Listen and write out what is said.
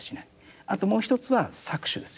あともう一つは搾取ですよね。